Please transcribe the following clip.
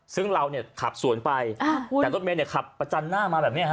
ซึ่งเราเนี่ยขับสวนไปแต่รถเมย์เนี่ยขับประจันหน้ามาแบบนี้ฮะ